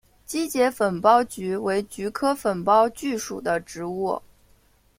基节粉苞菊为菊科粉苞苣属的植物。